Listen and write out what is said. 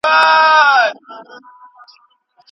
وایم بخت مي تور دی لکه توره شپه